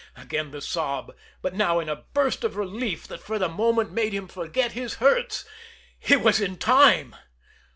Again the sob but now in a burst of relief that, for the moment, made him forget his hurts. He was in time!